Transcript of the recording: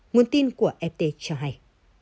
nguồn tin của ft cho hay